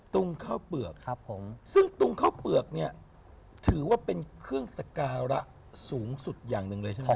ตุงข้าวเปลือกครับผมซึ่งตุงข้าวเปลือกเนี่ยถือว่าเป็นเครื่องสการะสูงสุดอย่างหนึ่งเลยใช่ไหมครับ